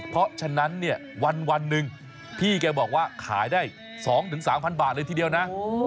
เพราะฉะนั้นเนี่ยวันหนึ่งพี่แกบอกว่าขายได้๒๓๐๐บาทเลยทีเดียวนะ